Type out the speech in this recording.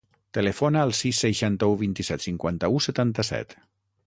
Telefona al sis, seixanta-u, vint-i-set, cinquanta-u, setanta-set.